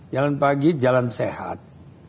jalan pagi jalan sehat